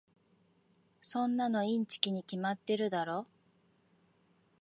そんなのインチキに決まってるだろ。